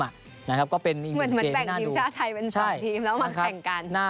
เหมือนแบ่งทีมชาติไทยเป็น๒ทีมแล้วมาแข่งกัน